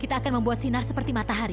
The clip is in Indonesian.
kita akan membuat sinar seperti matahari